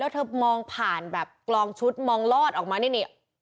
เธอมองผ่านแบบกลองชุดมองลอดออกมานี่